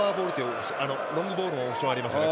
ロングボールのオプションがありますね。